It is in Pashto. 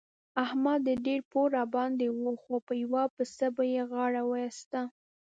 د احمد ډېر پور راباندې وو خو په یوه پسه يې غاړه وېسته.